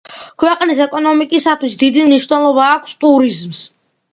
ქვეყნის ეკონომიკისათვის დიდი მნიშვნელობა აქვს ტურიზმს.